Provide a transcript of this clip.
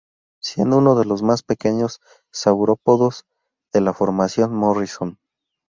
Siendo uno de los más pequeños saurópodos de la Formación Morrison.